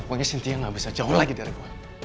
ngomongnya sintia gak bisa jauh lagi dari gue